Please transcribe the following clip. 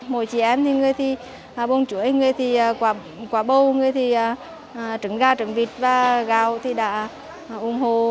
mỗi chị em thì người thì bồng chuối người thì quả bầu người thì trứng gà trứng vịt và gạo thì đã ủng hộ